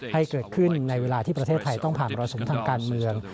ให้เกิดขึ้นในเวลาที่ประเทศไทยต้องผ่านมรสุมทางการเมือง